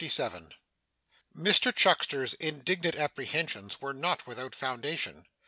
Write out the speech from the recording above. CHAPTER 57 Mr Chuckster's indignant apprehensions were not without foundation.